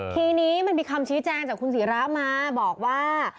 ทีนี้มันมีคำชี้แจงจากคุณศิรามาบอกว่า